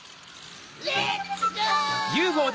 レッツゴー！